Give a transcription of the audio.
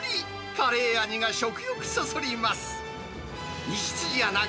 カレー味が食欲そそります。